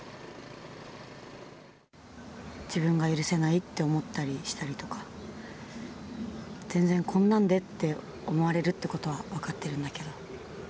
自分が許せないって思ったりしたりとか、全然こんなんでって、思われるってことは分かってるんだけど。